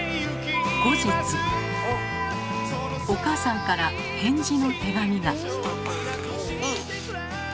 お母さんから返事の手紙が。